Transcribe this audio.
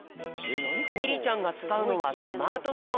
ミリちゃんがつかうのはスマートフォン。